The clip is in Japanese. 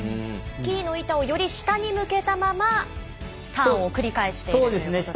スキーの板をより下に向けたままターンを繰り返しているのですね。